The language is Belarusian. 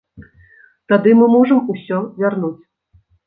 Тады мы можам усё вярнуць.